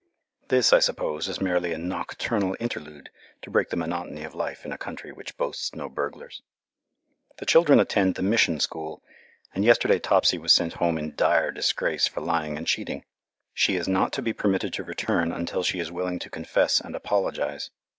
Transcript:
This, I suppose, is merely a nocturnal interlude to break the monotony of life in a country which boasts no burglars. The children attend the Mission school, and yesterday Topsy was sent home in dire disgrace for lying and cheating. She is not to be permitted to return until she is willing to confess and apologize.